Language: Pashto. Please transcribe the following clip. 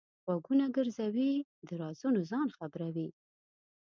غوږونه ګرځوي؛ د رازونو ځان خبروي.